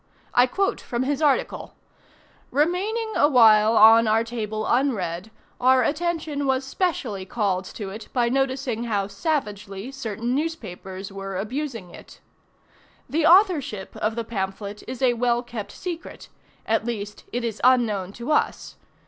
I quote from his article: "Remaining a while on our table unread, our attention was specially called to it by noticing how savagely certain newspapers were abusing it." "The authorship of the pamphlet is a well kept secret; at least it is unknown to us.